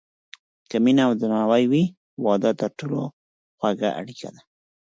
که مینه او درناوی وي، واده تر ټولو خوږه اړیکه ده.